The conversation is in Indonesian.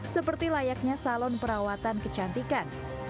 seperti layaknya salon perawatan kecantikan